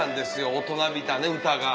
大人びた歌が。